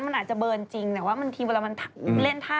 มันอาจจะเบิร์นจริงแต่ว่าบางทีเวลามันเล่นท่า